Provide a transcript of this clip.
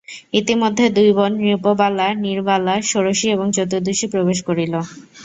ইতিমধ্যে দুই বোন নৃপবালা, নীরবালা– ষোড়শী এবং চতুর্দশী প্রবেশ করিল।